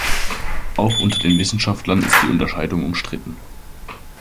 Auch unter den Wissenschaftlern ist die Unterscheidung umstritten.